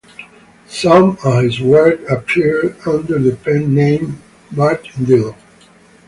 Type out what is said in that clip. Some of his work appeared under the pen name Mart Dellon.